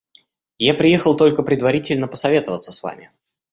Я приехал только предварительно посоветоваться с вами.